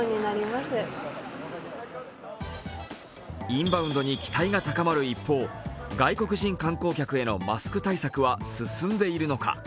インバウンドに期待が高まる一方、外国人観光客へのマスク対策は進んでいるのか。